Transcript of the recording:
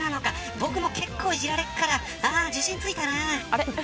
僕も結構いじられるから自信ついたなあ。